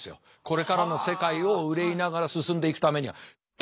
これからの世界を憂いながら進んでいくためには。